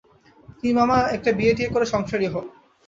তুমি মামা একটা বিয়েটিয়ে করে সংসারী হও।